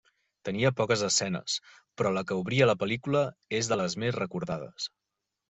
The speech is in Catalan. Tenia poques escenes, però la que obria la pel·lícula és de les més recordades.